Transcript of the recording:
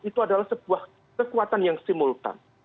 itu adalah sebuah kekuatan yang simultan